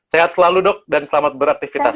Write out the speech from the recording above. sehat selalu dok dan selamat beraktivitas